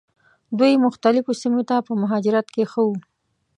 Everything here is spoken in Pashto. دوی مختلفو سیمو ته په مهاجرت کې ښه وو.